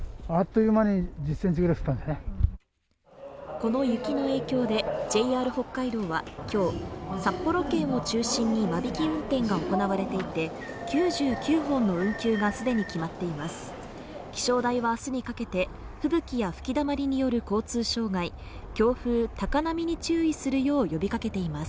この雪の影響でＪＲ北海道はきょう札幌圏を中心に間引き運転が行われていて９９本の運休がすでに決まっています